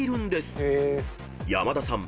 ［山田さん